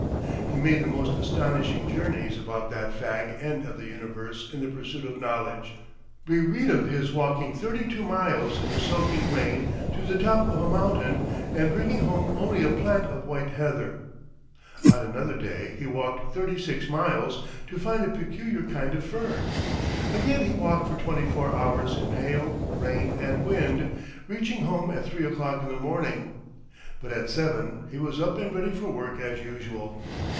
He made the most astonishing journeys about that fag end of the universe in the pursuit of knowledge. We read of his walking thirty two miles in a soaking rain to the top of a mountain, and bringing home only a plant of white heather. On another day he walked thirty six miles to find a peculiar kind of fern. Again he walked for twenty four hours in hail, rain, and wind, reaching home at three o'clock in the morning. But at seven he was up and ready for work as usual.